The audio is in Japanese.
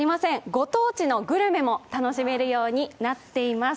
ご当地のグルメも楽しめるようになっています。